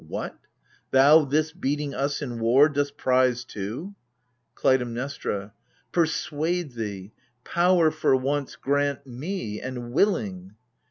What ? thou this beating us in war dost prize too ? KLUTAIMNESTRA. Persuade thee ! power, for once, grant me — and willing